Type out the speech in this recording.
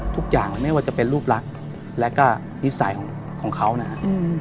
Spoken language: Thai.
ทุกอย่างไม่ว่าจะเป็นรูปลักษณ์และก็นิสัยของเขานะครับ